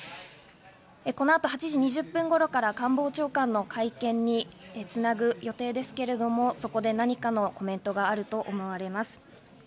この後８時２０分頃から官房長官の会見に繋ぐ予定ですけれども、そこで何らかのコメントがあると思われます。